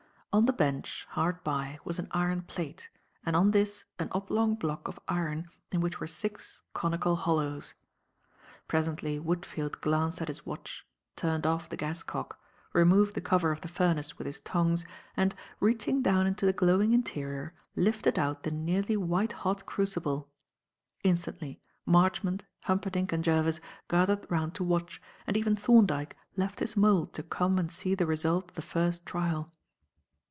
On the bench, hard by, was an iron plate, and on this an oblong block of iron in which were six conical hollows. Presently Woodfield glanced at his watch, turned off the gas cock, removed the cover of the furnace with his tongs, and, reaching down into the glowing interior, lifted out the nearly white hot crucible. Instantly Marchmont, Humperdinck and Jervis gathered round to watch, and even Thorndyke left his mould to come and see the result of the first trial.